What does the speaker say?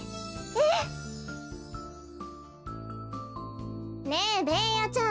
ええ！ねえベーヤちゃん。